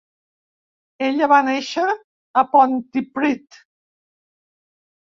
Ell va néixer a Pontypridd.